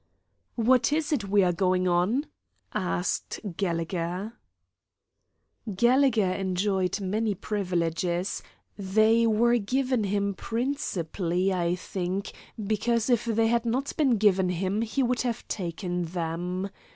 "What is it we are going on?" asked Gallegher. Gallegher enjoyed many privileges; they were given him principally, I think, because if they had not been given him he would have taken them.